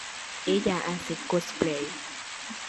Ella hace Cosplay.